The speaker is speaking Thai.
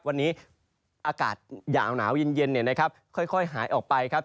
วันนี้อากาศหนาวเย็นค่อยหายออกไปครับ